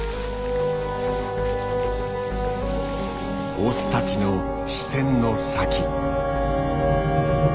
オスたちの視線の先。